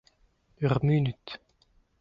Ur munud.